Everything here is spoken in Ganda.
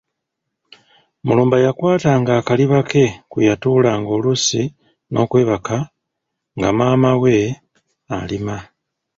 Mulumba yakwatanga akaliba ke kwe yatuulanga oluusi nookwebaka nga maama we alima.